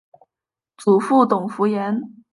祖父董孚言。